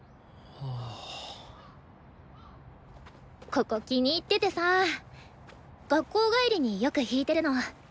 ここ気に入っててさ学校帰りによく弾いてるの。